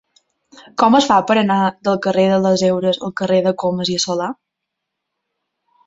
Com es fa per anar del carrer de les Heures al carrer de Comas i Solà?